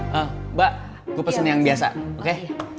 mbak gue pesen yang biasa oke